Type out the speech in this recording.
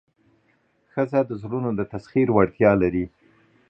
ښځه د زړونو د تسخیر وړتیا لري.